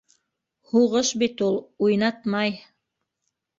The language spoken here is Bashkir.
Һуғыш бит ул, уйнатмай.